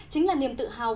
chính là niềm tự hào